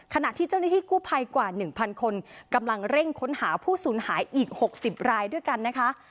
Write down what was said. ขณะที่เจ้าหน้าที่กู้ภัยกว่า๑๐๐คนกำลังเร่งค้นหาผู้สูญหายอีก๖๐รายด้วยกันนะคะ